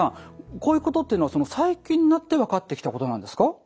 こういうことっていうのは最近になって分かってきたことなんですか？